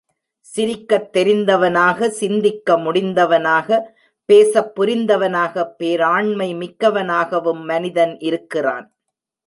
சிரிக்கத் தெரிந்தவனாக, சிந்திக்க முடிந்தனவாக, பேசப் புரிந்தவனாக, பேராண்மை மிக்கவனாகவும் மனிதன் இருக்கிறான்.